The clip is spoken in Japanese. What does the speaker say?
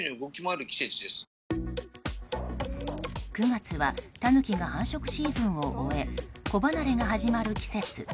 ９月はタヌキが繁殖シーズンを終え子離れが始まる季節。